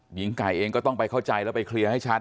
หญิงไก่เองก็ต้องไปเข้าใจแล้วไปเคลียร์ให้ชัด